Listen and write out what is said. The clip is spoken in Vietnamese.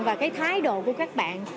và cái thái độ của các bạn